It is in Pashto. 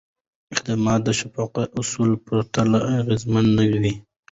خدمت د شفافو اصولو پرته اغېزمن نه وي.